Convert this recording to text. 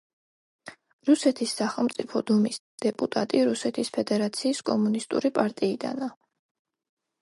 რუსეთის სახელმწიფო დუმის დეპუტატი რუსეთის ფედერაციის კომუნისტური პარტიიდან.